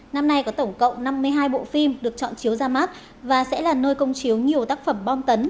năm nay có tổng cộng năm mươi hai bộ phim được chọn chiếu ra mắt và sẽ là nơi công chiếu nhiều tác phẩm bom tấn